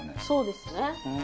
そうですね。